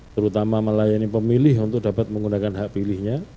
terutama melayani pemilih untuk dapat menggunakan hak pilihnya